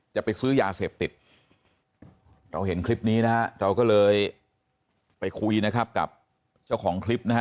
จะไปซื้อยาเสพติดเราเห็นคลิปนี้นะฮะเราก็เลยไปคุยนะครับกับเจ้าของคลิปนะฮะ